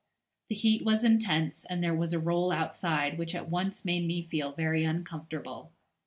The heat was intense, and there was a roll outside which at once made me feel very uncomfortable.